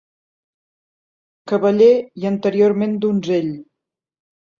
Cavaller i anteriorment donzell.